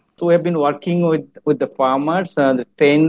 kami telah bekerja dengan para petani